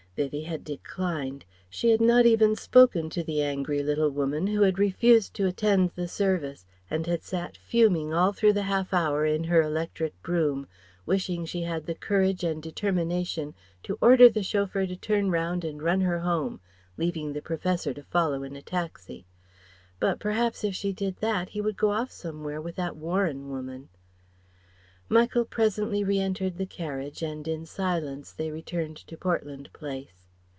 Vivie had declined. She had not even spoken to the angry little woman, who had refused to attend the service and had sat fuming all through the half hour in her electric brougham, wishing she had the courage and determination to order the chauffeur to turn round and run her home, leaving the Professor to follow in a taxi. But perhaps if she did that, he would go off somewhere with that Warren woman. Michael presently re entered the carriage and in silence they returned to Portland Place.